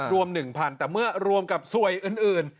รวม๑๐๐๐แต่เมื่อรวมกับสวยอื่น